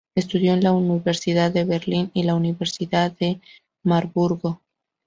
Estudió en la Universidad de Berlín y la Universidad de Marburgo.